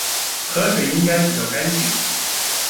河水应该比较干净